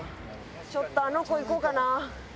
ちょっとあの子いこうかな。